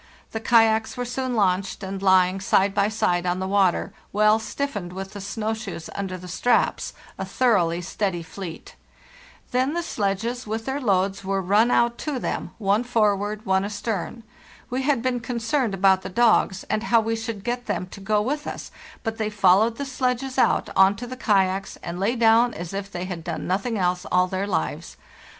The kayaks were soon launched and lying side by side on the water, well stiffened, with the snow shoes under the straps,* a thoroughly steady fleet. Then the sledges, with their loads, were run out to them, one forward, one astern. We had been concerned about the dogs and how we should get them to go with us, but they followed the sledges out on to the kayaks and lay down as if they had done nothing else all their lives.